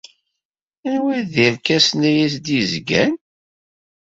Anwa ay d irkasen ay as-d-yezgan?